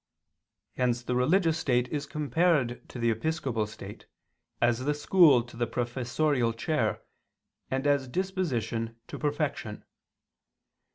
Hence the religious state is compared to the episcopal state, as the school to the professorial chair, and as disposition to perfection.